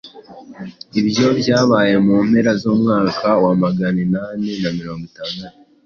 Ibyo byabaye mu mpera z'umwaka wa Magana inani na mirongo itandatu.